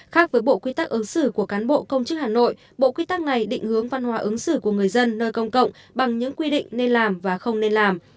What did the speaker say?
khác với bộ quy tắc ứng xử của cán bộ công chức hà nội bộ quy tắc này định hướng văn hóa ứng xử của người dân nơi công cộng bằng những quy định nên làm và không nên làm